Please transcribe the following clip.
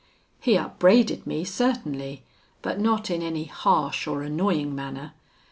He upbraided me certainly, but not in any harsh or annoying manner.